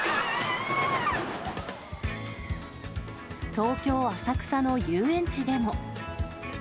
東京・浅草の遊園地でも。